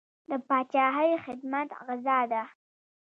د پاچاهۍ خدمت غزا ده.